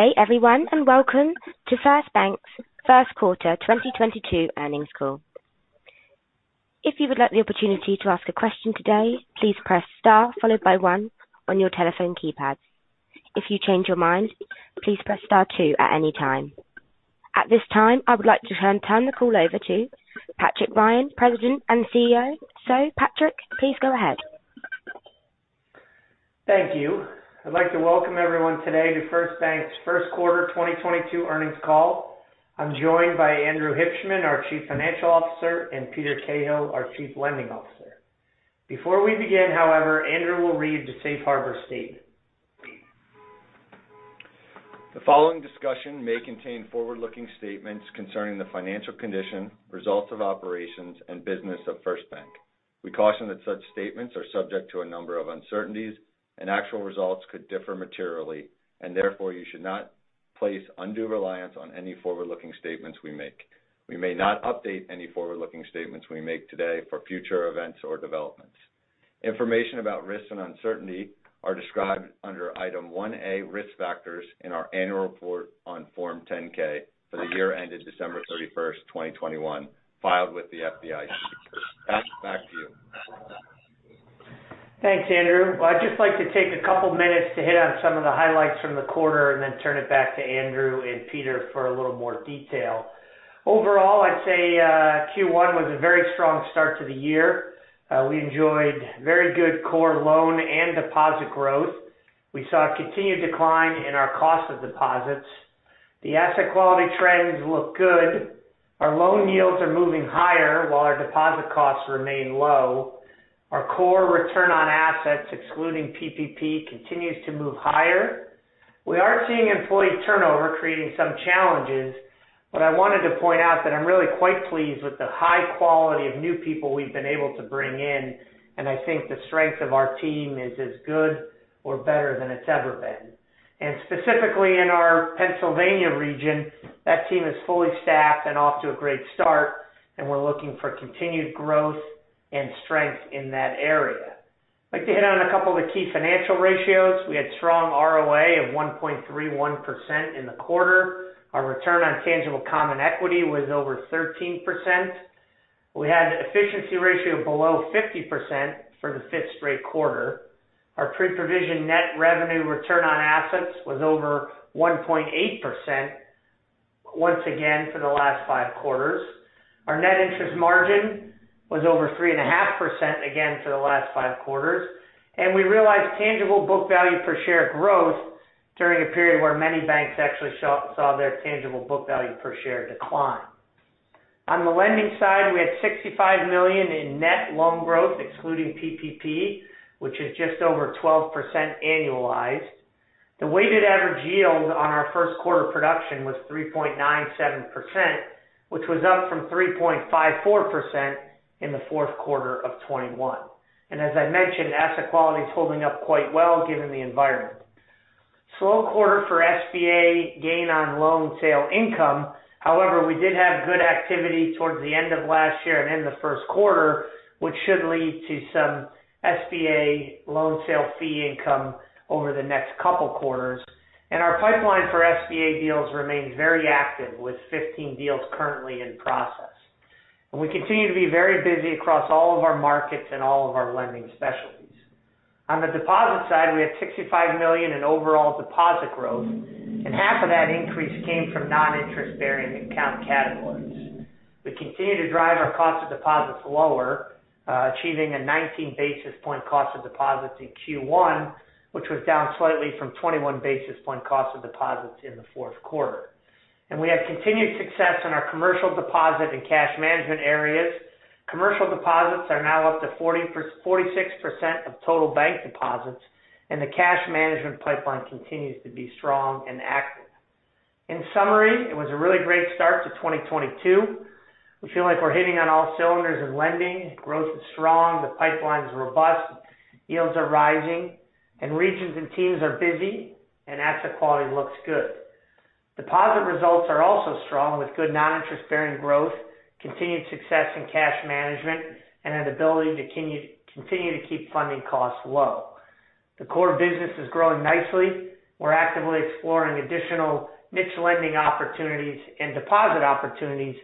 Hey everyone, and welcome to First Bank's first quarter 2022 earnings call. If you would like the opportunity to ask a question today, please press star followed by one on your telephone keypad. If you change your mind, please press star two at any time. At this time, I would like to turn the call over to Patrick Ryan, President and CEO. Patrick, please go ahead. Thank you. I'd like to welcome everyone today to First Bank's first quarter 2022 earnings call. I'm joined by Andrew Hibshman, our Chief Financial Officer, and Peter Cahill, our Chief Lending Officer. Before we begin, however, Andrew will read the Safe Harbor statement. The following discussion may contain forward-looking statements concerning the financial condition, results of operations, and business of First Bank. We caution that such statements are subject to a number of uncertainties and actual results could differ materially and therefore you should not place undue reliance on any forward-looking statements we make. We may not update any forward-looking statements we make today for future events or developments. Information about risks and uncertainty are described under Item 1A, Risk Factors in our annual report on Form 10-K for the year ended December 31st, 2021, filed with the FDIC. Pat, back to you. Thanks, Andrew. I'd just like to take a couple minutes to hit on some of the highlights from the quarter and then turn it back to Andrew and Peter for a little more detail. Overall, I'd say Q1 was a very strong start to the year. We enjoyed very good core loan and deposit growth. We saw a continued decline in our cost of deposits. The asset quality trends look good. Our loan yields are moving higher while our deposit costs remain low. Our core return on assets, excluding PPP, continues to move higher. We are seeing employee turnover creating some challenges, but I wanted to point out that I'm really quite pleased with the high quality of new people we've been able to bring in, and I think the strength of our team is as good or better than it's ever been. Specifically in our Pennsylvania region, that team is fully staffed and off to a great start, and we're looking for continued growth and strength in that area. I'd like to hit on a couple of the key financial ratios. We had strong ROA of 1.31% in the quarter. Our return on tangible common equity was over 13%. We had efficiency ratio below 50% for the fifth straight quarter. Our pre-provision net revenue return on assets was over 1.8%, once again for the last five quarters. Our net interest margin was over 3.5%, again for the last five quarters. We realized tangible book value per share growth during a period where many banks actually saw their tangible book value per share decline. On the lending side, we had $65 million in net loan growth excluding PPP, which is just over 12% annualized. The weighted average yield on our first quarter production was 3.97%, which was up from 3.54% in the fourth quarter of 2021. As I mentioned, asset quality is holding up quite well given the environment. Slow quarter for SBA gain on loan sale income. However, we did have good activity towards the end of last year and in the first quarter, which should lead to some SBA loan sale fee income over the next couple quarters. Our pipeline for SBA deals remains very active with 15 deals currently in process. We continue to be very busy across all of our markets and all of our lending specialties. On the deposit side, we have $65 million in overall deposit growth, and half of that increase came from non-interest bearing account categories. We continue to drive our cost of deposits lower, achieving a 19 basis point cost of deposits in Q1, which was down slightly from 21 basis point cost of deposits in the fourth quarter. We have continued success in our commercial deposit and cash management areas. Commercial deposits are now up to 46% of total bank deposits, and the cash management pipeline continues to be strong and active. In summary, it was a really great start to 2022. We feel like we're hitting on all cylinders in lending. Growth is strong, the pipeline is robust, yields are rising, and regions and teams are busy, and asset quality looks good. Deposit results are also strong with good non-interest bearing growth, continued success in cash management, and an ability to continue to keep funding costs low. The core business is growing nicely. We're actively exploring additional niche lending opportunities and deposit opportunities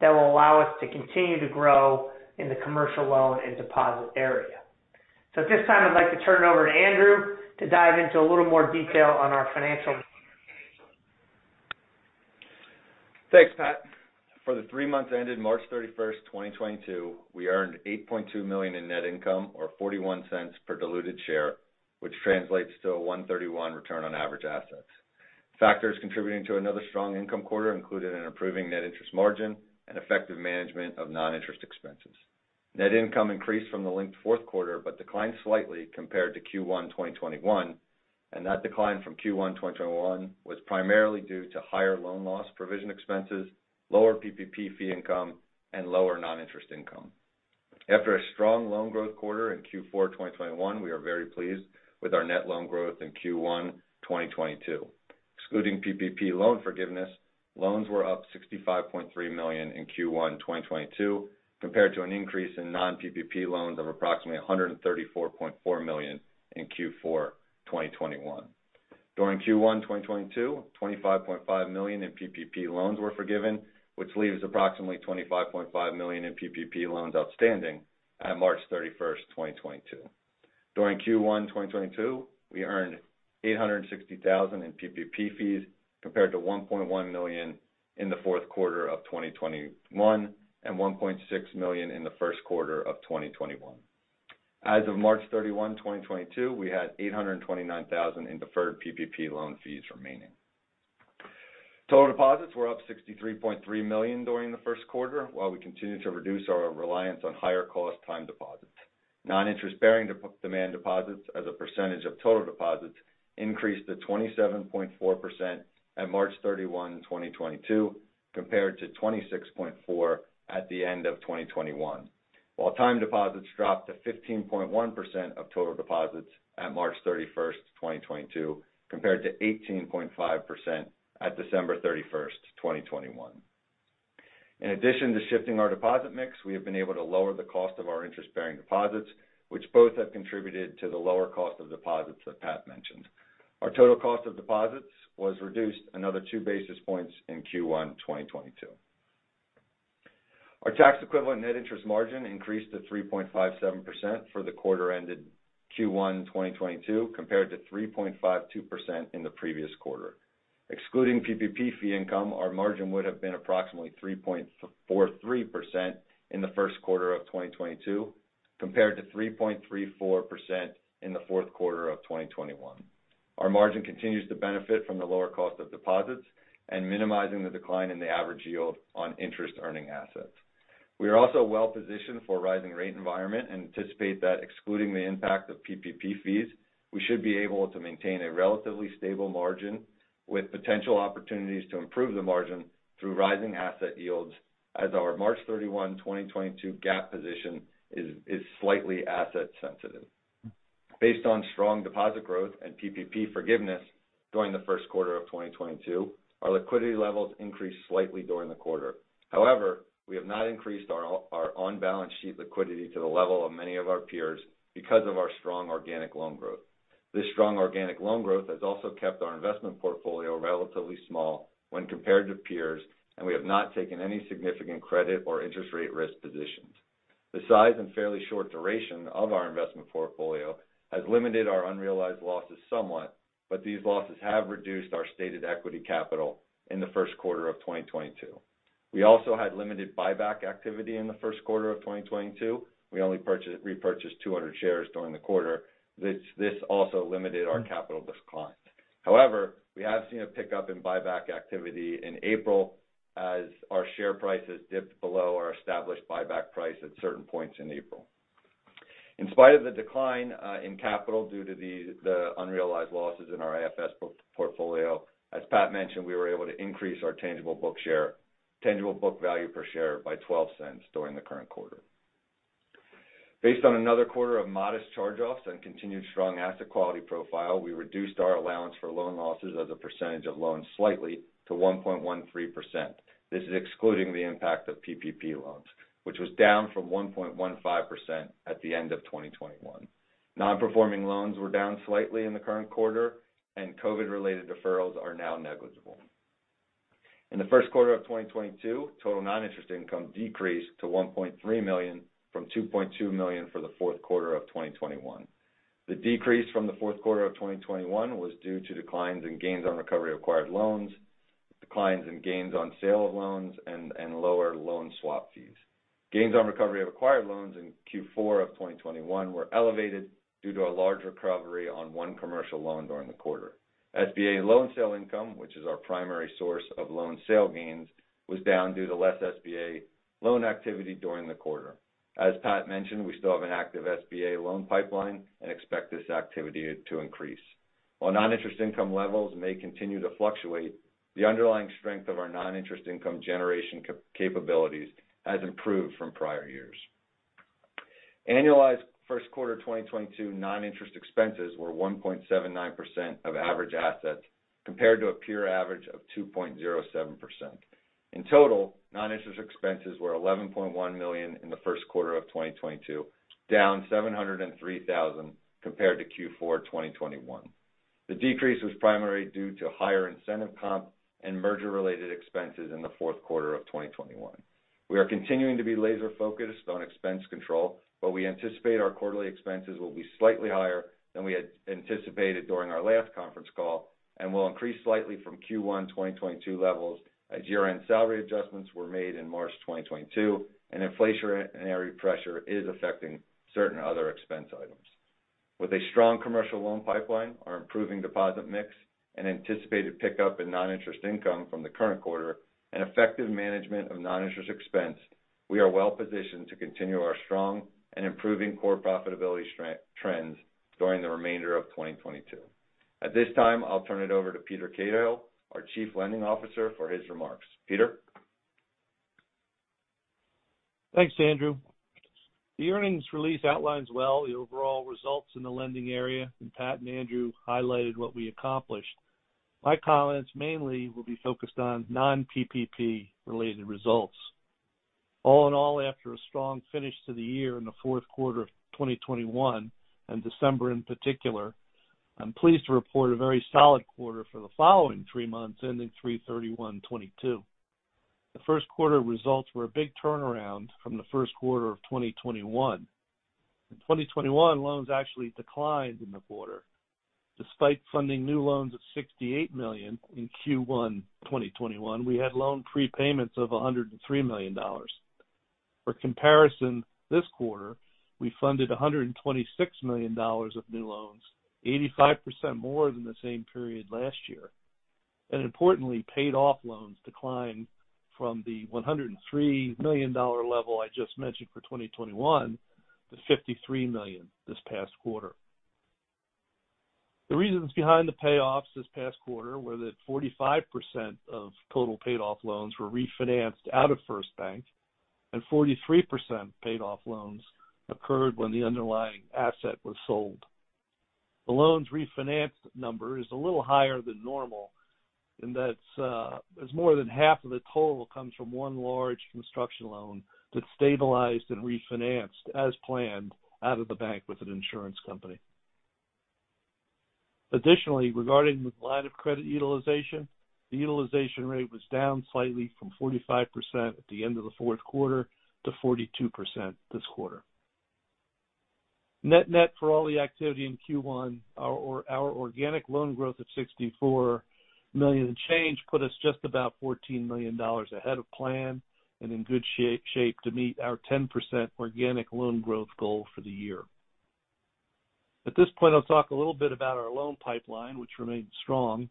that will allow us to continue to grow in the commercial loan and deposit area. At this time, I'd like to turn it over to Andrew to dive into a little more detail on our financial. Thanks, Pat. For the three months ended March 31st, 2022, we earned $8.2 million in net income or $0.41 per diluted share, which translates to a 1.31% return on average assets. Factors contributing to another strong income quarter included an improving net interest margin and effective management of non-interest expenses. Net income increased from the linked fourth quarter, but declined slightly compared to Q1 2021, and that decline from Q1 2021 was primarily due to higher loan loss provision expenses, lower PPP fee income, and lower non-interest income. After a strong loan growth quarter in Q4 2021, we are very pleased with our net loan growth in Q1 2022. Excluding PPP loan forgiveness, loans were up $65.3 million in Q1 2022 compared to an increase in non-PPP loans of approximately $134.4 million in Q4 2021. During Q1 2022, $25.5 million in PPP loans were forgiven, which leaves approximately $25.5 million in PPP loans outstanding at March 31st, 2022. During Q1 2022, we earned $860,000 in PPP fees compared to $1.1 million in the fourth quarter of 2021, and $1.6 million in the first quarter of 2021. As of March 31, 2022, we had $829,000 in deferred PPP loan fees remaining. Total deposits were up $63.3 million during the first quarter, while we continue to reduce our reliance on higher cost time deposits. Non-interest-bearing demand deposits as a percentage of total deposits increased to 27.4% at March 31, 2022, compared to 26.4% at the end of 2021. While time deposits dropped to 15.1% of total deposits at March 31st, 2022, compared to 18.5% at December 31, 2021. In addition to shifting our deposit mix, we have been able to lower the cost of our interest-bearing deposits, which both have contributed to the lower cost of deposits that Pat mentioned. Our total cost of deposits was reduced another 2 basis points in Q1 2022. Our tax equivalent net interest margin increased to 3.57% for the quarter ended Q1 2022, compared to 3.52% in the previous quarter. Excluding PPP fee income, our margin would have been approximately 3.43% in the first quarter of 2022, compared to 3.34% in the fourth quarter of 2021. Our margin continues to benefit from the lower cost of deposits and minimizing the decline in the average yield on interest earning assets. We are also well-positioned for a rising rate environment and anticipate that excluding the impact of PPP fees, we should be able to maintain a relatively stable margin with potential opportunities to improve the margin through rising asset yields as our March 31, 2022, GAAP position is slightly asset sensitive. Based on strong deposit growth and PPP forgiveness during the first quarter of 2022, our liquidity levels increased slightly during the quarter. However, we have not increased our on-balance sheet liquidity to the level of many of our peers because of our strong organic loan growth. This strong organic loan growth has also kept our investment portfolio relatively small when compared to peers, and we have not taken any significant credit or interest rate risk positions. The size and fairly short duration of our investment portfolio has limited our unrealized losses somewhat, but these losses have reduced our stated equity capital in the first quarter of 2022. We also had limited buyback activity in the first quarter of 2022. We only repurchased 200 shares during the quarter. This also limited our capital decline. However, we have seen a pickup in buyback activity in April as our share prices dipped below our established buyback price at certain points in April. In spite of the decline in capital due to the unrealized losses in our AFS book portfolio, as Pat mentioned, we were able to increase our tangible book value per share by $0.12 during the current quarter. Based on another quarter of modest charge-offs and continued strong asset quality profile, we reduced our allowance for loan losses as a percentage of loans slightly to 1.13%. This is excluding the impact of PPP loans, which was down from 1.15% at the end of 2021. Non-performing loans were down slightly in the current quarter, and COVID-related deferrals are now negligible. In the first quarter of 2022, total non-interest income decreased to $1.3 million from $2.2 million for the fourth quarter of 2021. The decrease from the fourth quarter of 2021 was due to declines in gains on recovery of acquired loans, declines in gains on sale of loans, and lower loan swap fees. Gains on recovery of acquired loans in Q4 of 2021 were elevated due to a large recovery on one commercial loan during the quarter. SBA loan sale income, which is our primary source of loan sale gains, was down due to less SBA loan activity during the quarter. As Pat mentioned, we still have an active SBA loan pipeline and expect this activity to increase. While non-interest income levels may continue to fluctuate, the underlying strength of our non-interest income generation capabilities has improved from prior years. Annualized first quarter 2022 non-interest expenses were 1.79% of average assets compared to a peer average of 2.07%. In total, non-interest expenses were $11.1 million in the first quarter of 2022, down $703,000 compared to Q4 2021. The decrease was primarily due to higher incentive comp and merger-related expenses in the fourth quarter of 2021. We are continuing to be laser-focused on expense control, but we anticipate our quarterly expenses will be slightly higher than we had anticipated during our last conference call and will increase slightly from Q1 2022 levels as year-end salary adjustments were made in March 2022, and inflationary pressure is affecting certain other expense items. With a strong commercial loan pipeline, our improving deposit mix, an anticipated pickup in non-interest income from the current quarter, and effective management of non-interest expense, we are well-positioned to continue our strong and improving core profitability trends during the remainder of 2022. At this time, I'll turn it over to Peter Cahill, our Chief Lending Officer, for his remarks. Peter? Thanks, Andrew. The earnings release outlines well the overall results in the lending area, and Pat and Andrew highlighted what we accomplished. My comments mainly will be focused on non-PPP related results. All in all, after a strong finish to the year in the fourth quarter of 2021, and December in particular, I'm pleased to report a very solid quarter for the following three months, ending 3/31/2022. The first quarter results were a big turnaround from the first quarter of 2021. In 2021, loans actually declined in the quarter. Despite funding new loans of $68 million in Q1 2021, we had loan prepayments of $103 million. For comparison, this quarter, we funded $126 million of new loans, 85% more than the same period last year. Importantly, paid off loans declined from the $103 million level I just mentioned for 2021 to $53 million this past quarter. The reasons behind the payoffs this past quarter were that 45% of total paid off loans were refinanced out of First Bank, and 43% paid off loans occurred when the underlying asset was sold. The loans refinanced number is a little higher than normal, and that's, as more than half of the total comes from one large construction loan that stabilized and refinanced, as planned, out of the bank with an insurance company. Additionally, regarding the line of credit utilization, the utilization rate was down slightly from 45% at the end of the fourth quarter to 42% this quarter. Net net for all the activity in Q1, our organic loan growth of $64 million and change put us just about $14 million ahead of plan and in good shape to meet our 10% organic loan growth goal for the year. At this point, I'll talk a little bit about our loan pipeline, which remains strong.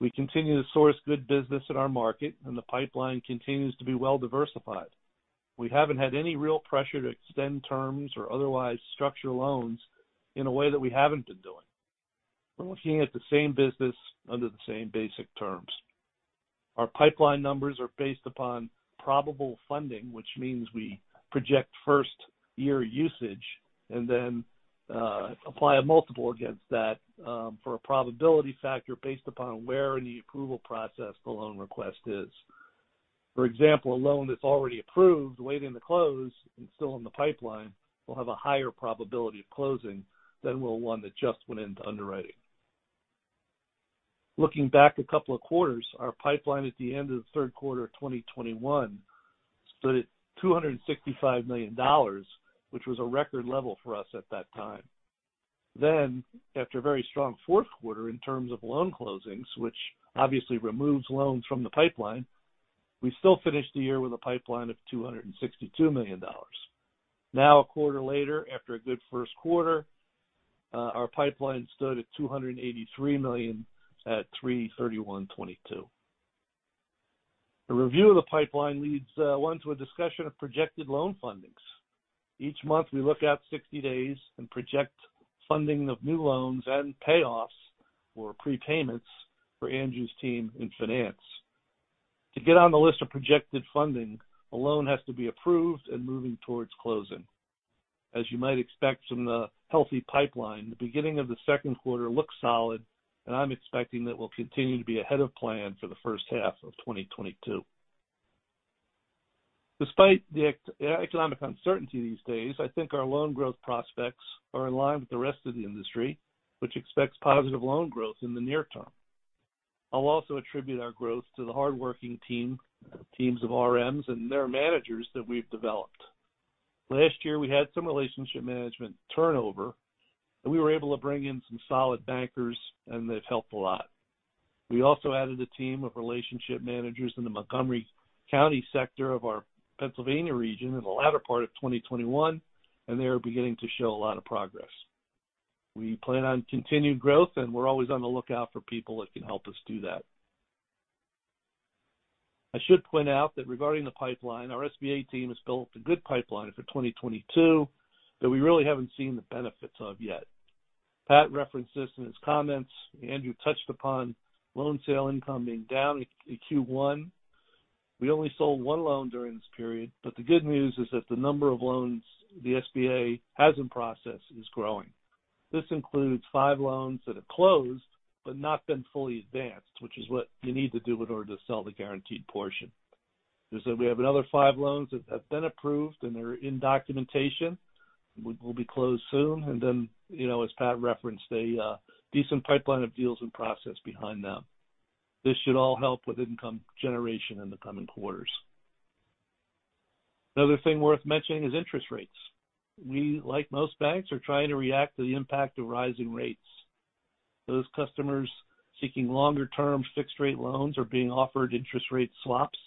We continue to source good business in our market, and the pipeline continues to be well diversified. We haven't had any real pressure to extend terms or otherwise structure loans in a way that we haven't been doing. We're looking at the same business under the same basic terms. Our pipeline numbers are based upon probable funding, which means we project first year usage and then apply a multiple against that for a probability factor based upon where in the approval process the loan request is. For example, a loan that's already approved, waiting to close and still in the pipeline, will have a higher probability of closing than will one that just went into underwriting. Looking back a couple of quarters, our pipeline at the end of the third quarter of 2021 stood at $265 million, which was a record level for us at that time. After a very strong fourth quarter in terms of loan closings, which obviously removes loans from the pipeline, we still finished the year with a pipeline of $262 million. A quarter later, after a good first quarter, our pipeline stood at $283 million at 3/31/2022. A review of the pipeline leads one to a discussion of projected loan fundings. Each month, we look out 60 days and project funding of new loans and payoffs or prepayments for Andrew's team in finance. To get on the list of projected funding, a loan has to be approved and moving towards closing. As you might expect from the healthy pipeline, the beginning of the second quarter looks solid, and I'm expecting that we'll continue to be ahead of plan for the first half of 2022. Despite the economic uncertainty these days, I think our loan growth prospects are in line with the rest of the industry, which expects positive loan growth in the near term. I'll also attribute our growth to the hardworking team, teams of RMs and their managers that we've developed. Last year, we had some relationship management turnover, and we were able to bring in some solid bankers, and they've helped a lot. We also added a team of relationship managers in the Montgomery County sector of our Pennsylvania region in the latter part of 2021, and they are beginning to show a lot of progress. We plan on continued growth, and we're always on the lookout for people that can help us do that. I should point out that regarding the pipeline, our SBA team has built a good pipeline for 2022 that we really haven't seen the benefits of yet. Pat referenced this in his comments. Andrew touched upon loan sale income being down in Q1. We only sold one loan during this period, but the good news is that the number of loans the SBA has in process is growing. This includes five loans that have closed but not been fully advanced, which is what you need to do in order to sell the guaranteed portion. As I said, we have another five loans that have been approved, and they're in documentation. We will be closed soon. You know, as Pat referenced, a decent pipeline of deals in process behind them. This should all help with income generation in the coming quarters. Another thing worth mentioning is interest rates. We, like most banks, are trying to react to the impact of rising rates. Those customers seeking longer-term fixed rate loans are being offered interest rate swaps.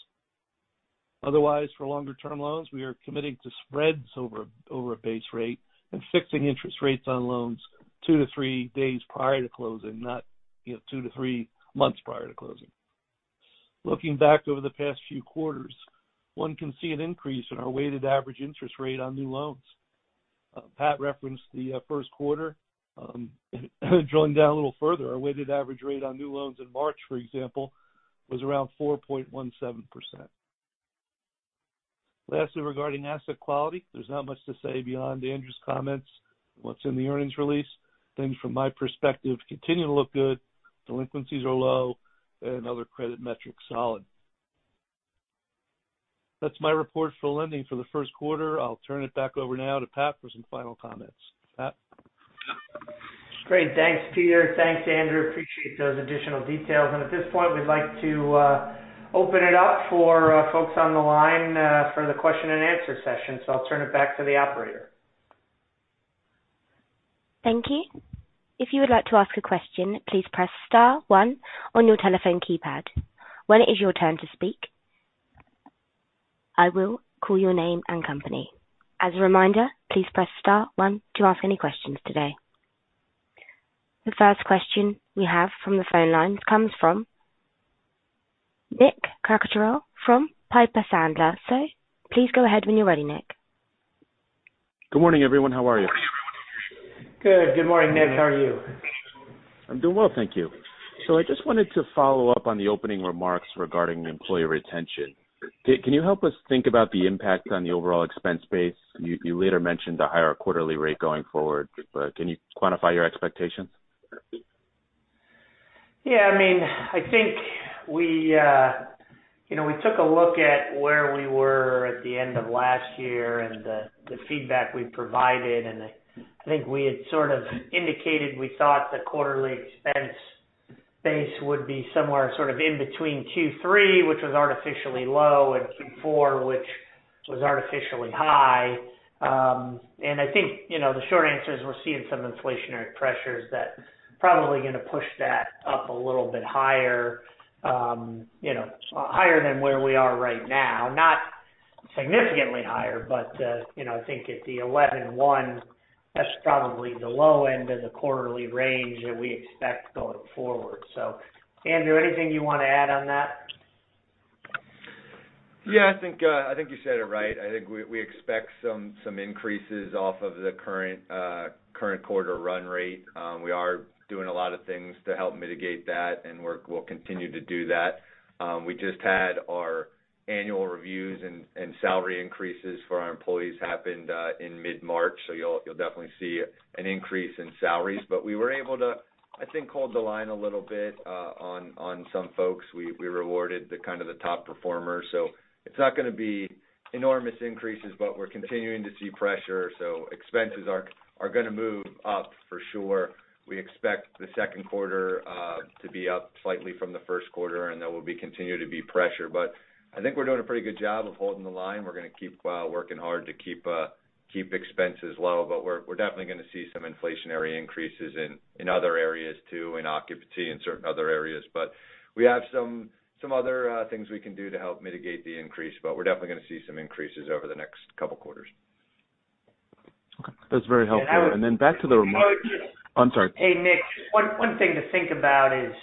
Otherwise, for longer-term loans, we are committing to spreads over a base rate and fixing interest rates on loans two to three days prior to closing, not, you know, two to three months prior to closing. Looking back over the past few quarters, one can see an increase in our weighted average interest rate on new loans. Pat referenced the first quarter. Drawing down a little further, our weighted average rate on new loans in March, for example, was around 4.17%. Lastly, regarding asset quality, there's not much to say beyond Andrew's comments, what's in the earnings release. Things from my perspective continue to look good. Delinquencies are low. Other credit metrics solid. That's my report for lending for the first quarter. I'll turn it back over now to Pat for some final comments. Pat? Great. Thanks, Peter. Thanks, Andrew. Appreciate those additional details. At this point, we'd like to open it up for folks on the line for the question and answer session. I'll turn it back to the operator. Thank you. If you would like to ask a question, please press star one on your telephone keypad. When it is your turn to speak, I will call your name and company. As a reminder, please press star one to ask any questions today. The first question we have from the phone lines comes from Nick Cucharale from Piper Sandler. Please go ahead when you're ready, Nick. Good morning, everyone. How are you? Good. Good morning, Nick. How are you? I'm doing well, thank you. I just wanted to follow up on the opening remarks regarding employee retention. Can you help us think about the impact on the overall expense base? You later mentioned the higher quarterly rate going forward, but can you quantify your expectations? Yeah, I mean, I think we, you know, we took a look at where we were at the end of last year and the feedback we provided, and I think we had sort of indicated we thought the quarterly expense base would be somewhere sort of in between Q3, which was artificially low, and Q4, which was artificially high. I think, you know, the short answer is we're seeing some inflationary pressures that probably gonna push that up a little bit higher, you know, higher than where we are right now. Not significantly higher, but, you know, I think at the $11.1, that's probably the low end of the quarterly range that we expect going forward. Andrew, anything you wanna add on that? Yeah, I think you said it right. I think we expect some increases off of the current quarter run rate. We are doing a lot of things to help mitigate that, and we'll continue to do that. We just had our annual reviews and salary increases for our employees happened in mid-March, so you'll definitely see an increase in salaries. We were able to hold the line a little bit on some folks. We rewarded the kind of the top performers. It's not gonna be enormous increases, but we're continuing to see pressure, so expenses are gonna move up for sure. We expect the second quarter to be up slightly from the first quarter, and there will continue to be pressure. I think we're doing a pretty good job of holding the line. We're gonna keep working hard to keep expenses low, but we're definitely gonna see some inflationary increases in other areas too, in occupancy and certain other areas. We have some other things we can do to help mitigate the increase, but we're definitely gonna see some increases over the next couple quarters. Okay. That's very helpful. I would. Back to the remarks. I would just- I'm sorry. Hey, Nick, one thing to think about is,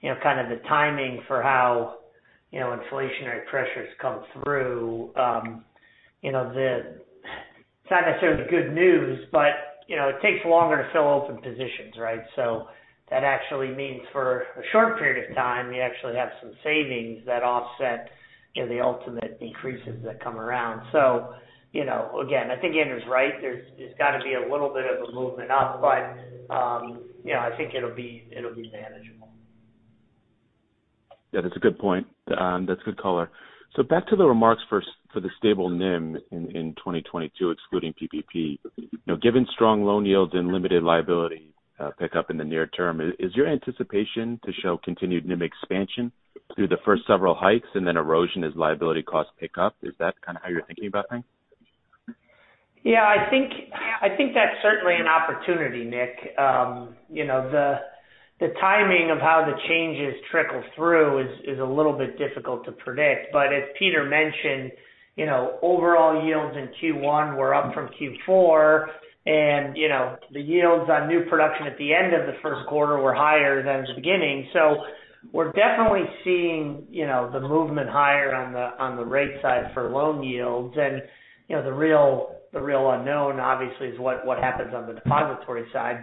you know, kind of the timing for how, you know, inflationary pressures come through. You know, It's not necessarily good news, but, you know, it takes longer to fill open positions, right? So that actually means for a short period of time, you actually have some savings that offset, you know, the ultimate increases that come around. So, you know, again, I think Andrew's right. There's gotta be a little bit of a movement up, but, you know, I think it'll be manageable. Yeah, that's a good point. That's a good color. Back to the remarks first for the stable NIM in 2022, excluding PPP. Now, given strong loan yields and limited liability pickup in the near term, is your anticipation to show continued NIM expansion through the first several hikes and then erosion as liability costs pick up? Is that kind of how you're thinking about things? Yeah, I think that's certainly an opportunity, Nick. You know, the timing of how the changes trickle through is a little bit difficult to predict. As Peter mentioned, you know, overall yields in Q1 were up from Q4, and you know, the yields on new production at the end of the first quarter were higher than the beginning. We're definitely seeing you know, the movement higher on the rate side for loan yields. You know, the real unknown, obviously, is what happens on the depository side.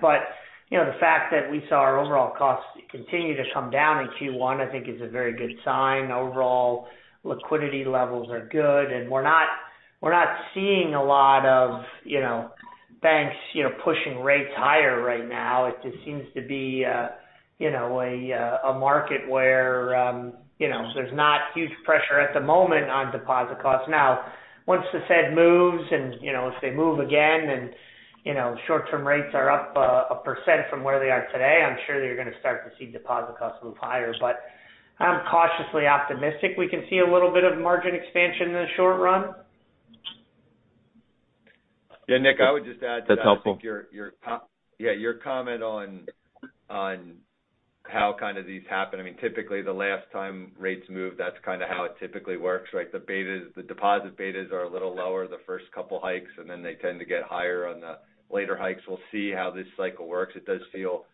You know, the fact that we saw our overall costs continue to come down in Q1, I think is a very good sign. Overall liquidity levels are good, and we're not seeing a lot of you know, banks pushing rates higher right now. It just seems to be, you know, a market where, you know, there's not huge pressure at the moment on deposit costs. Now, once the Fed moves and, you know, if they move again and, you know, short-term rates are up 1% from where they are today, I'm sure you're gonna start to see deposit costs move higher. I'm cautiously optimistic we can see a little bit of margin expansion in the short run. Yeah, Nick, I would just add to that. That's helpful. I think your comment on how kind of these happen. I mean, typically the last time rates moved, that's kinda how it typically works, right? The betas, the deposit betas are a little lower the first couple hikes, and then they tend to get higher on the later hikes. We'll see how this cycle works. It does feel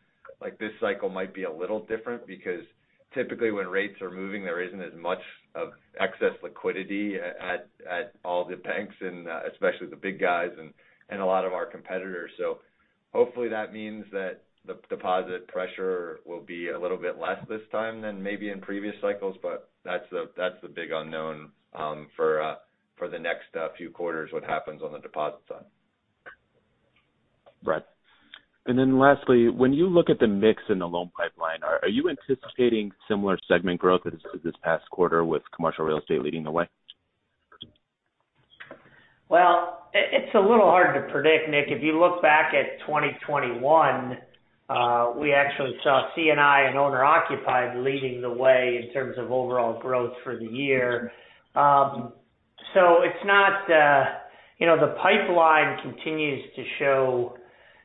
like this cycle might be a little different because typically when rates are moving, there isn't as much excess liquidity at all the banks and especially the big guys and a lot of our competitors. So hopefully that means that the deposit pressure will be a little bit less this time than maybe in previous cycles, but that's the big unknown for the next few quarters, what happens on the deposit side. Right. Lastly, when you look at the mix in the loan pipeline, are you anticipating similar segment growth as this past quarter with commercial real estate leading the way? Well, it's a little hard to predict, Nick. If you look back at 2021, we actually saw C&I and owner-occupied leading the way in terms of overall growth for the year. It's not. You know, the pipeline continues to show,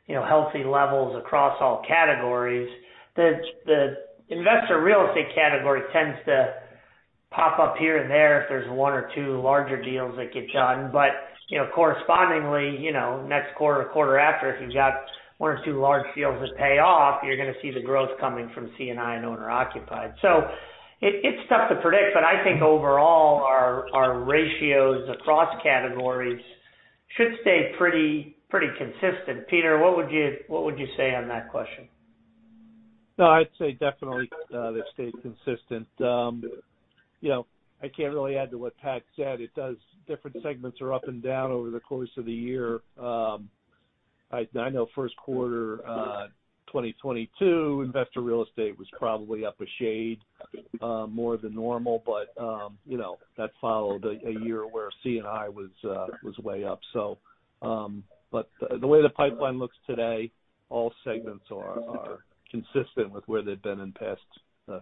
you know, healthy levels across all categories. The investor real estate category tends to pop up here and there if there's one or two larger deals that get done. You know, correspondingly, you know, next quarter or quarter after, if you've got one or two large deals that pay off, you're gonna see the growth coming from C&I and owner-occupied. It's tough to predict, but I think overall our ratios across categories should stay pretty consistent. Peter, what would you say on that question? No, I'd say definitely, they've stayed consistent. You know, I can't really add to what Pat said. Different segments are up and down over the course of the year. I know first quarter, 2022, investor real estate was probably up a shade, more than normal. You know, that followed a year where C&I was way up. The way the pipeline looks today, all segments are consistent with where they've been in past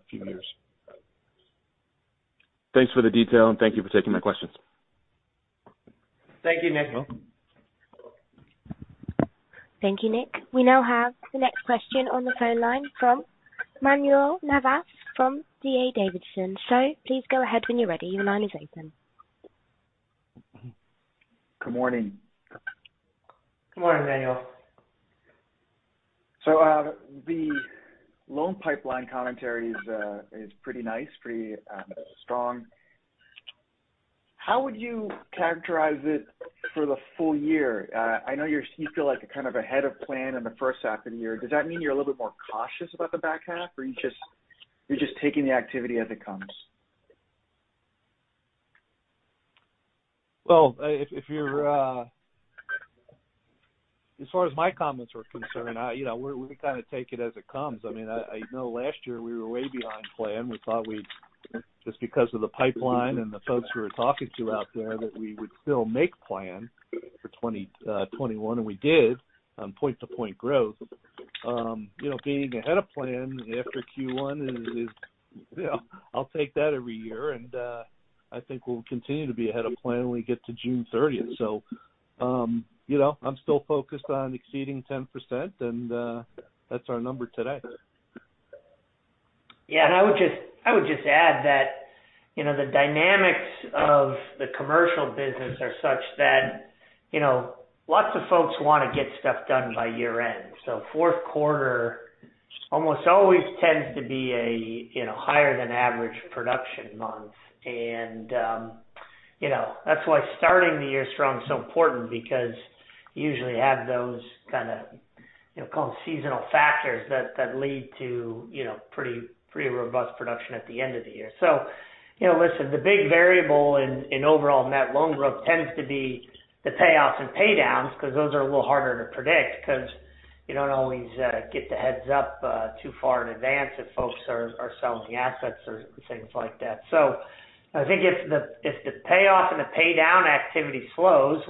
few years. Thanks for the detail, and thank you for taking my questions. Thank you, Nick. You're welcome. Thank you, Nick. We now have the next question on the phone line from Manuel Navas from D.A. Davidson. Please go ahead when you're ready. Your line is open. Good morning. Good morning, Manuel. The loan pipeline commentary is pretty nice, strong. How would you characterize it for the full year? I know you feel like kind of ahead of plan in the first half of the year. Does that mean you're a little bit more cautious about the back half, or are you just taking the activity as it comes? Well, if you're as far as my comments are concerned, you know, we kind of take it as it comes. I mean, I know last year we were way behind plan. We thought we'd, just because of the pipeline and the folks we were talking to out there, that we would still make plan for 2021, and we did on point-to-point growth. You know, being ahead of plan after Q1 is, you know, I'll take that every year, and I think we'll continue to be ahead of plan when we get to June 30th. You know, I'm still focused on exceeding 10% and that's our number today. Yeah. I would just add that, you know, the dynamics of the commercial business are such that, you know, lots of folks wanna get stuff done by year-end. Fourth quarter almost always tends to be a higher than average production month. You know, that's why starting the year strong is so important because you usually have those kind of, you know, call them seasonal factors that lead to, you know, pretty robust production at the end of the year. You know, listen, the big variable in overall net loan growth tends to be the payoffs and pay downs because those are a little harder to predict because you don't always get the heads-up too far in advance if folks are selling the assets or things like that. I think if the payoff and the pay down activity slows,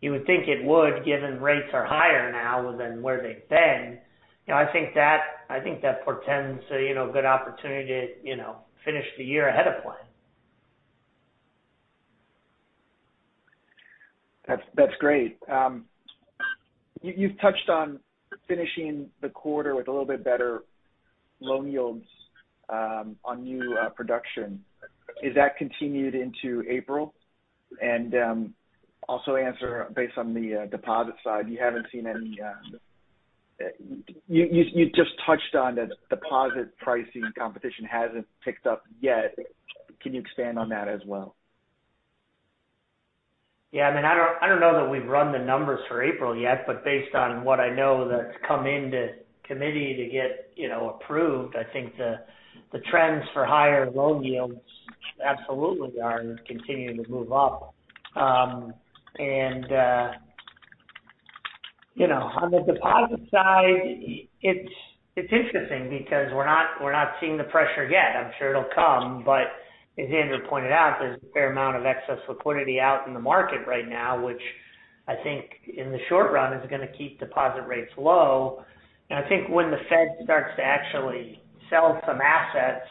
which you would think it would, given rates are higher now than where they've been, you know, I think that portends a, you know, good opportunity to, you know, finish the year ahead of plan. That's great. You've touched on finishing the quarter with a little bit better loan yields on new production. Is that continued into April? Also answer based on the deposit side. You haven't seen any. You just touched on the deposit pricing competition hasn't picked up yet. Can you expand on that as well? Yeah. I mean, I don't know that we've run the numbers for April yet, but based on what I know that's come into committee to get, you know, approved, I think the trends for higher loan yields absolutely are continuing to move up. On the deposit side, it's interesting because we're not seeing the pressure yet. I'm sure it'll come. As Andrew pointed out, there's a fair amount of excess liquidity out in the market right now, which I think in the short run is gonna keep deposit rates low. I think when the Fed starts to actually sell some assets,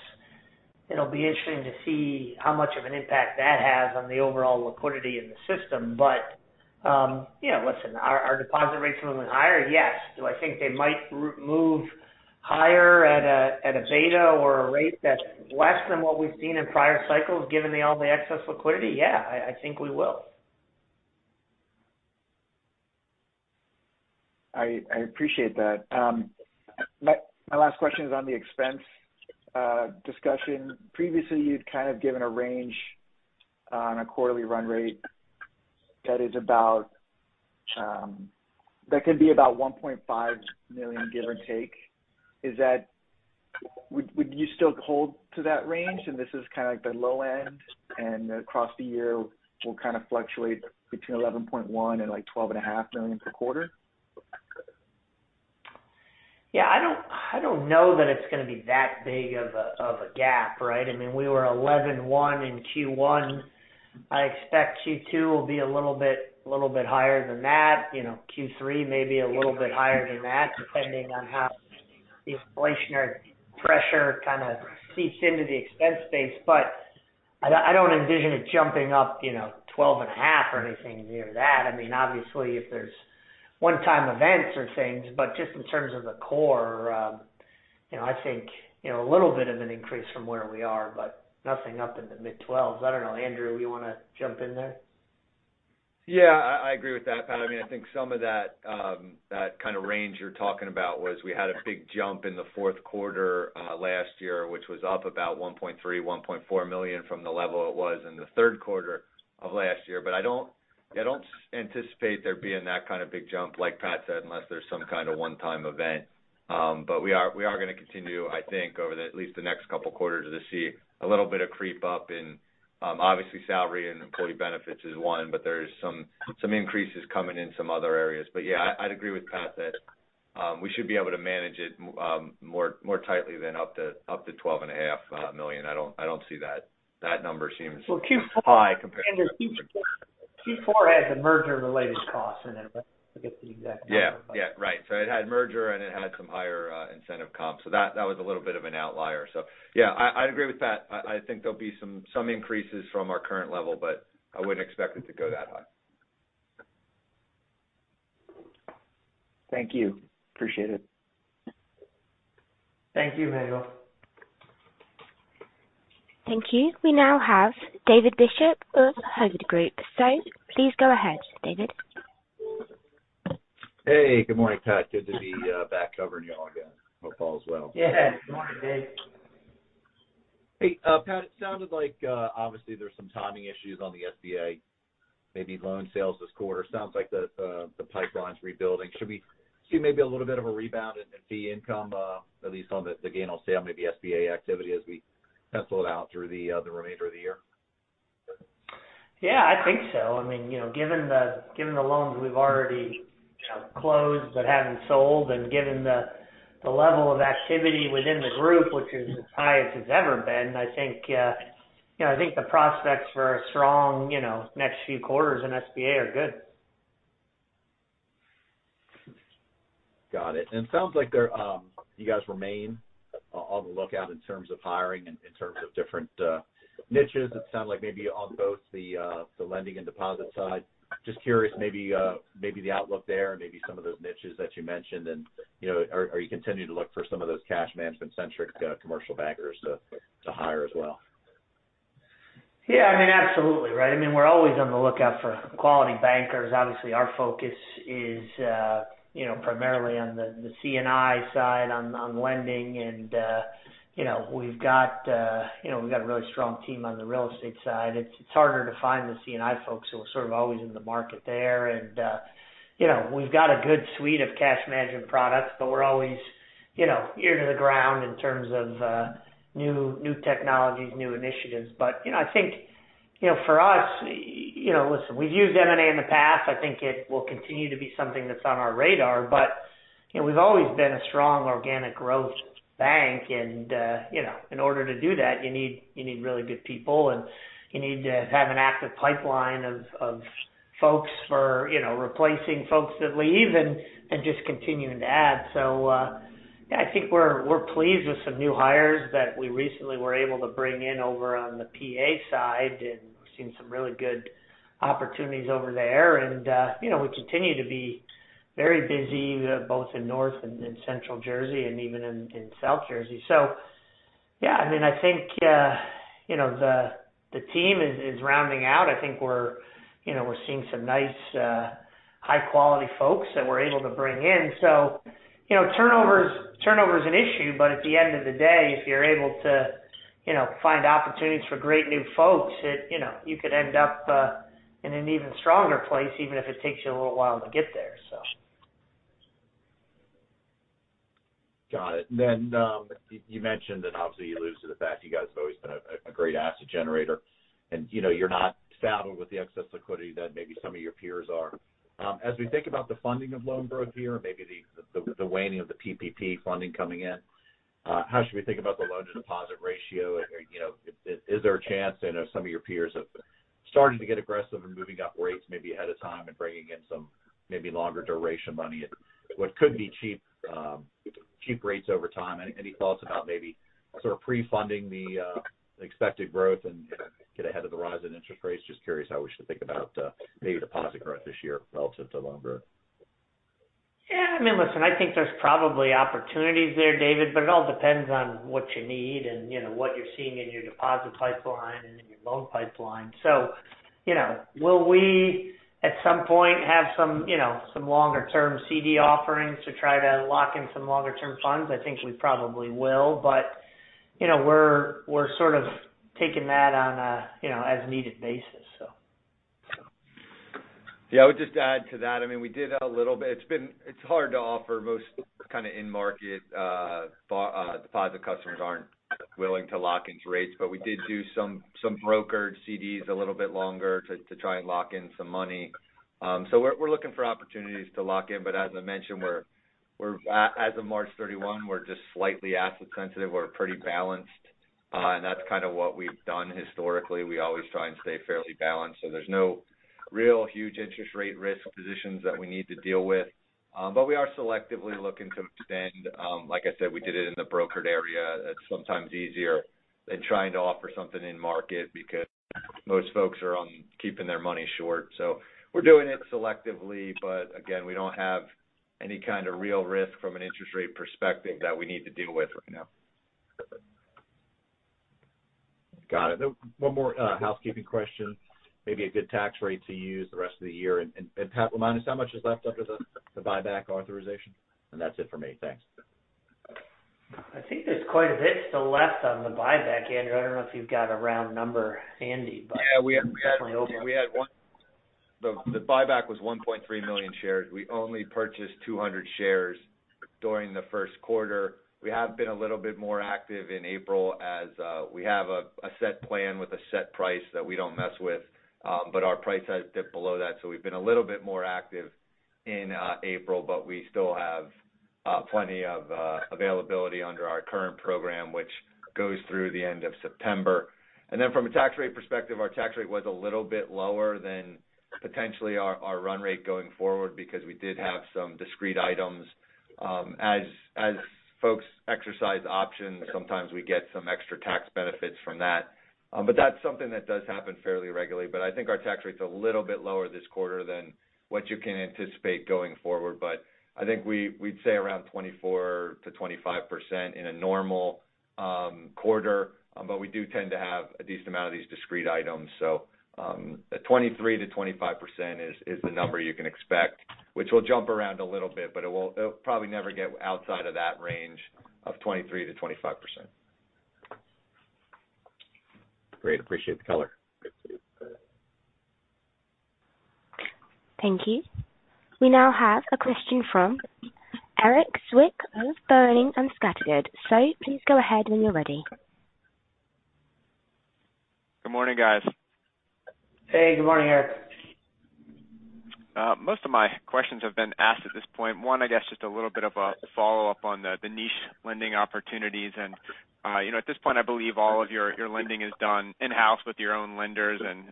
it'll be interesting to see how much of an impact that has on the overall liquidity in the system. You know, listen, are deposit rates moving higher? Yes. Do I think they might move higher at a beta or a rate that's less than what we've seen in prior cycles given all the excess liquidity? Yeah. I think we will. I appreciate that. My last question is on the expense discussion. Previously, you'd kind of given a range on a quarterly run rate that is about that could be about $1.5 million, give or take. Would you still hold to that range? This is kind of like the low end and across the year will kind of fluctuate between $11.1 million and like $12.5 million per quarter. Yeah, I don't know that it's gonna be that big of a gap, right? I mean, we were 11.1% in Q1. I expect Q2 will be a little bit higher than that. You know, Q3 may be a little bit higher than that, depending on how the inflationary pressure kind of seeps into the expense base. But I don't envision it jumping up, you know, 12.5% or anything near that. I mean, obviously if there's one-time events or things, but just in terms of the core, you know, I think, you know, a little bit of an increase from where we are, but nothing up in the mid 12s. I don't know. Andrew, you wanna jump in there? Yeah. I agree with that, Pat. I mean, I think some of that kind of range you're talking about was we had a big jump in the fourth quarter last year, which was up about $1.3-$1.4 million from the level it was in the third quarter of last year. I don't anticipate there being that kind of big jump, like Pat said, unless there's some kind of one-time event. We are gonna continue, I think over at least the next couple quarters to see a little bit of creep up in, obviously salary and employee benefits is one, but there's some increases coming in some other areas. Yeah, I'd agree with Pat that we should be able to manage it more tightly than up to $12.5 million. I don't see that. That number seems high compared to- Well, Q4 has the merger related costs in it. Forget the exact number. Yeah. Yeah. Right. It had merger and it had some higher incentive comp, so that was a little bit of an outlier. Yeah, I agree with that. I think there'll be some increases from our current level, but I wouldn't expect it to go that high. Thank you. Appreciate it. Thank you, Manuel. Thank you. We now have David Bishop of Hovde Group. Please go ahead, David. Hey. Good morning, Pat. Good to be back covering you all again. Hope all is well. Yeah. Good morning, Dave. Hey, Pat, it sounded like obviously there's some timing issues on the SBA, maybe loan sales this quarter. Sounds like the pipeline's rebuilding. Should we see maybe a little bit of a rebound in fee income, at least on the gain on sale, maybe SBA activity as we pencil it out through the remainder of the year? Yeah, I think so. I mean, you know, given the loans we've already, you know, closed but haven't sold and given the level of activity within the group, which is as high as it's ever been, I think, you know, I think the prospects for a strong, you know, next few quarters in SBA are good. Got it. It sounds like you're on the lookout in terms of hiring in terms of different niches. It sounds like maybe on both the lending and deposit side. Just curious, maybe the outlook there and maybe some of those niches that you mentioned and, you know, are you continuing to look for some of those cash management centric commercial bankers to hire as well? Yeah, I mean, absolutely. Right? I mean, we're always on the lookout for quality bankers. Obviously, our focus is, you know, primarily on the C&I side on lending. You know, we've got a really strong team on the real estate side. It's harder to find the C&I folks who are sort of always in the market there. You know, we've got a good suite of cash management products, but we're always, you know, ear to the ground in terms of new technologies, new initiatives. You know, I think, you know, for us, you know, listen, we've used M&A in the past. I think it will continue to be something that's on our radar. You know, we've always been a strong organic growth bank. You know, in order to do that, you need really good people, and you need to have an active pipeline of folks for, you know, replacing folks that leave and just continuing to add. I think we're pleased with some new hires that we recently were able to bring in over on the PA side, and we've seen some really good opportunities over there. You know, we continue to be very busy both in North Jersey and in Central Jersey and even in South Jersey. I mean, I think you know, the team is rounding out. I think we're seeing some nice high quality folks that we're able to bring in. You know, turnover is an issue, but at the end of the day, if you're able to, you know, find opportunities for great new folks, it, you know, you could end up in an even stronger place, even if it takes you a little while to get there. Got it. You mentioned and obviously you alluded to the fact you guys have always been a great asset generator and, you know, you're not saddled with the excess liquidity that maybe some of your peers are. As we think about the funding of loan growth here, maybe the waning of the PPP funding coming in, how should we think about the loan to deposit ratio? You know, is there a chance, I know some of your peers have started to get aggressive in moving up rates maybe ahead of time and bringing in some maybe longer duration money at what could be cheap rates over time. Any thoughts about maybe sort of pre-funding the expected growth and get ahead of the rise in interest rates? Just curious how we should think about, maybe deposit growth this year relative to loan growth? Yeah, I mean, listen, I think there's probably opportunities there, David, but it all depends on what you need and, you know, what you're seeing in your deposit pipeline and in your loan pipeline. You know, will we at some point have some, you know, some longer term CD offerings to try to lock in some longer term funds? I think we probably will. You know, we're sort of taking that on a, you know, as needed basis, so. I would just add to that. I mean, we did a little bit. It's hard to offer most kind of in-market deposit customers aren't willing to lock into rates. We did do some brokered CDs a little bit longer to try and lock in some money. We're looking for opportunities to lock in. As I mentioned, we're as of March 31, we're just slightly asset sensitive. We're pretty balanced. That's kind of what we've done historically. We always try and stay fairly balanced, so there's no real huge interest rate risk positions that we need to deal with. We are selectively looking to extend. Like I said, we did it in the brokered area. That's sometimes easier than trying to offer something in market because most folks are on keeping their money short. We're doing it selectively, but again, we don't have any kind of real risk from an interest rate perspective that we need to deal with right now. Got it. One more housekeeping question. Maybe a good tax rate to use the rest of the year. Pat, remind us, how much is left under the buyback authorization? That's it for me. Thanks. I think there's quite a bit still left on the buyback, Andrew. I don't know if you've got a round number handy, but Yeah, we had. Definitely open. The buyback was 1.3 million shares. We only purchased 200 shares during the first quarter. We have been a little bit more active in April as we have a set plan with a set price that we don't mess with. But our price has dipped below that, so we've been a little bit more active in April, but we still have plenty of availability under our current program, which goes through the end of September. Then from a tax rate perspective, our tax rate was a little bit lower than potentially our run rate going forward because we did have some discrete items. As folks exercise options, sometimes we get some extra tax benefits from that. But that's something that does happen fairly regularly. I think our tax rate's a little bit lower this quarter than what you can anticipate going forward. I think we'd say around 24%-25% in a normal quarter. We do tend to have a decent amount of these discrete items. Twenty-three to twenty-five percent is the number you can expect, which will jump around a little bit, but it'll probably never get outside of that range of 23%-25%. Great. I appreciate the color. Thank you. We now have a question from Erik Zwick of Boenning & Scattergood. Sir, please go ahead when you're ready. Good morning, guys. Hey, good morning, Erik. Most of my questions have been asked at this point. One, I guess just a little bit of a follow-up on the niche lending opportunities. You know, at this point, I believe all of your lending is done in-house with your own lenders and,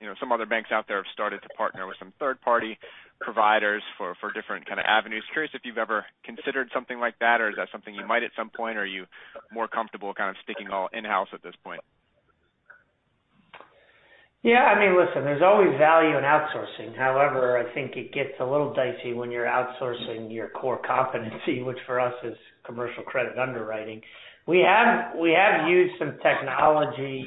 you know, some other banks out there have started to partner with some third-party providers for different kinda avenues. Curious if you've ever considered something like that or is that something you might at some point? Are you more comfortable kind of sticking all in-house at this point? Yeah, I mean, listen, there's always value in outsourcing. However, I think it gets a little dicey when you're outsourcing your core competency, which for us is commercial credit underwriting. We have used some technology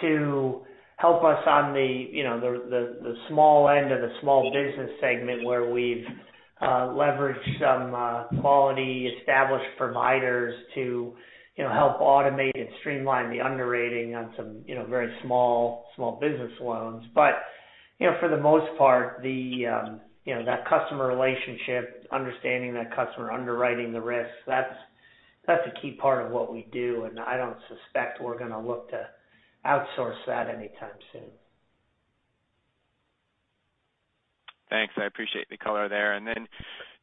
to help us on the small end of the small business segment where we've leveraged some quality established providers to, you know, help automate and streamline the underwriting on some very small business loans. But, you know, for the most part, that customer relationship, understanding that customer, underwriting the risks, that's a key part of what we do, and I don't suspect we're gonna look to outsource that anytime soon. Thanks. I appreciate the color there.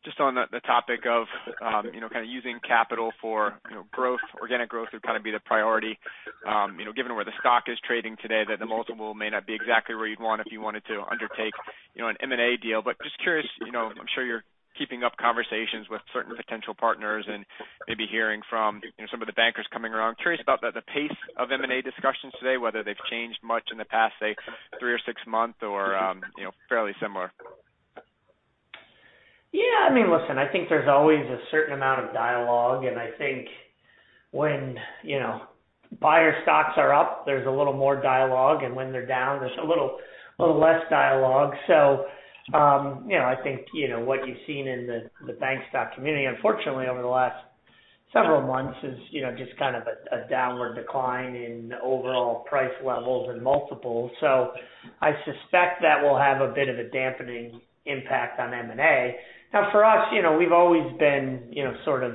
Just on the topic of you know kind of using capital for you know growth, organic growth would kind of be the priority. You know given where the stock is trading today, that the multiple may not be exactly where you'd want if you wanted to undertake you know an M&A deal. Just curious you know I'm sure you're keeping up conversations with certain potential partners and maybe hearing from you know some of the bankers coming around. Curious about the pace of M&A discussions today, whether they've changed much in the past say three or six months or you know fairly similar. Yeah, I mean, listen, I think there's always a certain amount of dialogue and I think when, you know, buyer stocks are up, there's a little more dialogue and when they're down, there's a little less dialogue. You know, I think, you know, what you've seen in the bank stock community unfortunately over the last several months is, you know, just kind of a downward decline in overall price levels and multiples. I suspect that will have a bit of a dampening impact on M&A. Now, for us, you know, we've always been, you know, sort of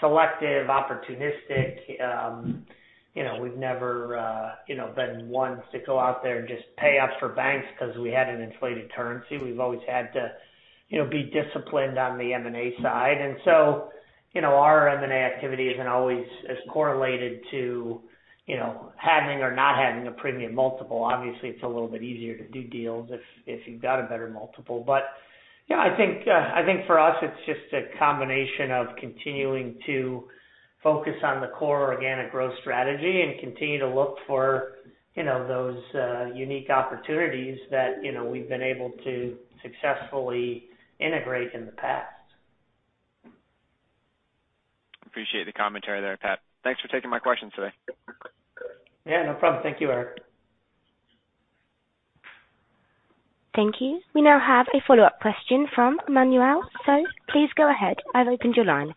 selective, opportunistic. You know, we've never, you know, been ones to go out there and just pay up for banks because we had an inflated currency. We've always had to, you know, be disciplined on the M&A side. You know, our M&A activity isn't always as correlated to, you know, having or not having a premium multiple. Obviously, it's a little bit easier to do deals if you've got a better multiple. Yeah, I think for us it's just a combination of continuing to focus on the core organic growth strategy and continue to look for, you know, those unique opportunities that, you know, we've been able to successfully integrate in the past. Appreciate the commentary there, Pat. Thanks for taking my questions today. Yeah, no problem. Thank you, Erik. Thank you. We now have a follow-up question from Manuel Navas. Sir, please go ahead. I've opened your line.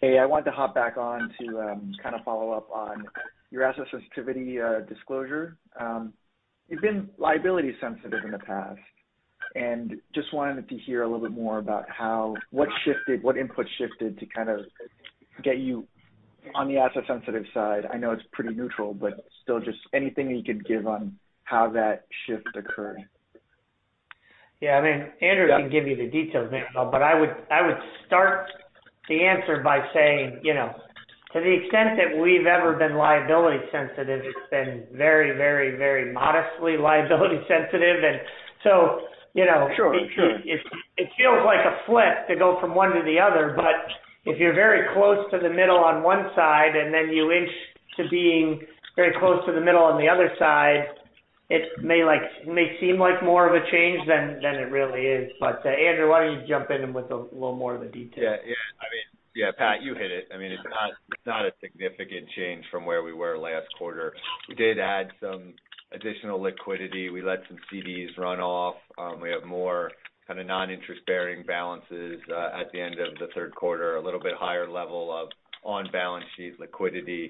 Hey, I wanted to hop back on to kind of follow up on your asset sensitivity disclosure. You've been liability sensitive in the past, and just wanted to hear a little bit more about what shifted, what input shifted to kind of get you on the asset sensitive side. I know it's pretty neutral, but still just anything you could give on how that shift occurred. Yeah, I mean, Andrew can give you the details, Manuel, but I would start the answer by saying, you know, to the extent that we've ever been liability sensitive, it's been very modestly liability sensitive. So, you know. Sure. Sure. It feels like a flip to go from one to the other. If you're very close to the middle on one side and then you inch to being very close to the middle on the other side, it may seem like more of a change than it really is. Andrew, why don't you jump in with a little more of the detail? Yeah. I mean, yeah, Pat, you hit it. I mean, it's not a significant change from where we were last quarter. We did add some additional liquidity. We let some CDs run off. We have more kind of non-interest-bearing balances at the end of the third quarter, a little bit higher level of on-balance sheet liquidity.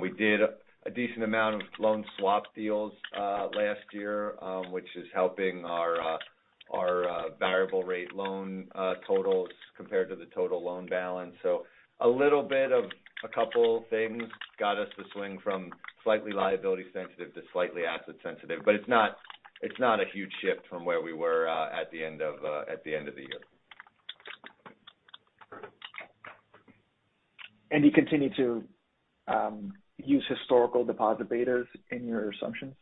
We did a decent amount of loan swap deals last year, which is helping our variable rate loan totals compared to the total loan balance. A little bit of a couple things got us to swing from slightly liability sensitive to slightly asset sensitive, but it's not a huge shift from where we were at the end of the year. You continue to use historical deposit betas in your assumptions?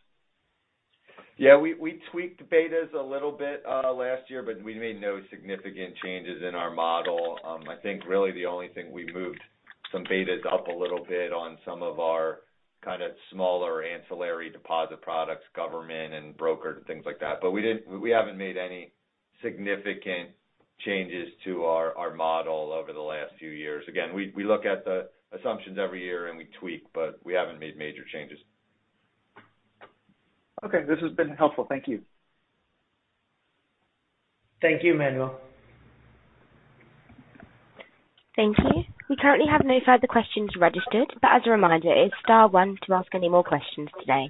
Yeah, we tweaked betas a little bit last year, but we made no significant changes in our model. I think really the only thing we moved some betas up a little bit on some of our kind of smaller ancillary deposit products, government and broker, things like that. We haven't made any significant changes to our model over the last few years. Again, we look at the assumptions every year and we tweak, but we haven't made major changes. Okay, this has been helpful. Thank you. Thank you, Manuel. Thank you. We currently have no further questions registered, but as a reminder, it's star 1 to ask any more questions today.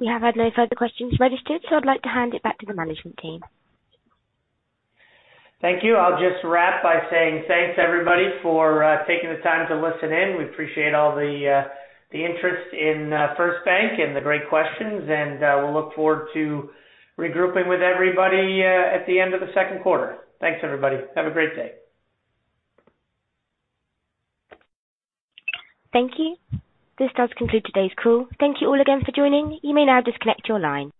We have had no further questions registered, so I'd like to hand it back to the management team. Thank you. I'll just wrap by saying thanks everybody for taking the time to listen in. We appreciate all the interest in First Bank and the great questions, and we'll look forward to regrouping with everybody at the end of the second quarter. Thanks, everybody. Have a great day. Thank you. This does conclude today's call. Thank you all again for joining. You may now disconnect your line.